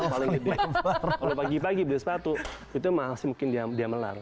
kalau pagi pagi beli sepatu itu masih mungkin diam diam melar